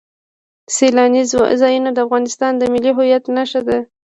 سیلانی ځایونه د افغانستان د ملي هویت نښه ده.